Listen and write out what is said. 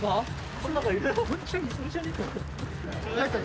この中いる？